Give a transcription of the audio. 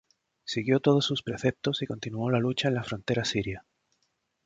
Siguió todos sus preceptos y continuó la lucha en la frontera siria.